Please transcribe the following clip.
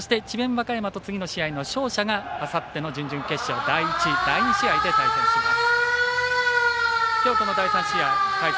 和歌山と次の試合の勝者があさっての準々決勝第１、第２試合で対戦します。